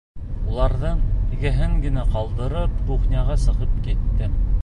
Уларҙың икеһен генә ҡалдырып, кухняға сығып киттем.